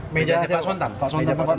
mejanya pak sontan